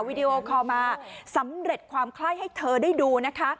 วิดีโอคอลมาสำเร็จความไคร้ให้เธอได้ดูนะคะ